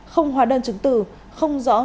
không hòa đơn chứng từ không rõ